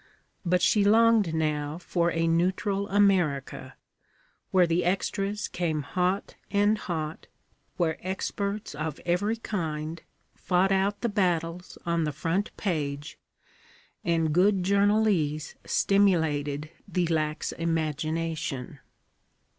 But she longed now for a neutral America, where the extras came hot and hot, where experts of every kind fought out the battles on the front page, and good journalese stimulated the lax imagination.